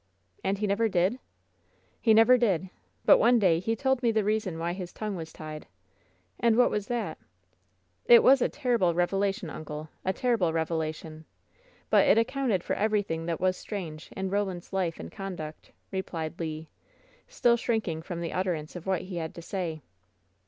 "And he never did?" "He never did. But one day he told me the reason why his tongue was tied." "And what was that?" "It was a terrible revelation,' uncle — a terrible revela tion I But it accounted for everything that was strange 104 WHEN SHADOWS DIE in Roland's life and conduct," replied Le, still shrinking from the utterance of what he had to say.